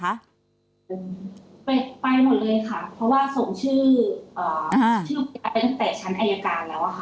ไปหมดเลยค่ะเพราะว่าส่งชื่อไปตั้งแต่ชั้นอายการแล้วอะค่ะ